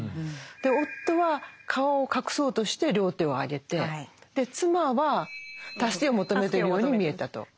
夫は顔を隠そうとして両手を上げて妻は助けを求めているように見えたと。